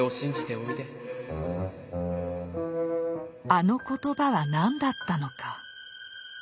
あの言葉は何だったのか。